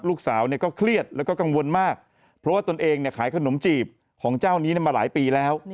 ลูกสาวก็เครียดแล้วก็กังวลมากเพราะว่าตนเองขายขนมจีบของเจ้านี้มาหลายปีแล้ว